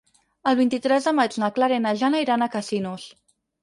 El vint-i-tres de maig na Clara i na Jana iran a Casinos.